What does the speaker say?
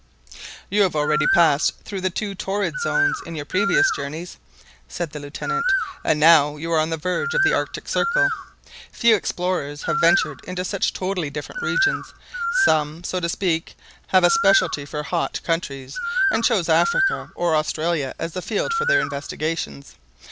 "You have already passed through the two Torrid Zones in your previous journeys," said the Lieutenant, "and now you are on the verge of the Arctic Circle. Few explorers have ventured into such totally different regions. Some, so to speak, have a specialty for hot countries, and choose Africa or Australia as the field for their investigations.